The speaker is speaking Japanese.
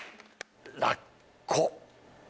ラッコ。